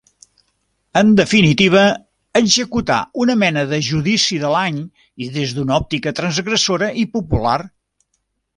En definitiva, executar una mena de judici de l’any des d’una òptica transgressora i popular.